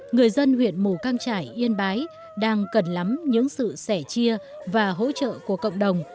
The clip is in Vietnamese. người dân huyện mù căng trải yên bái đang cần lắm những sự sẻ chia và hỗ trợ của cộng đồng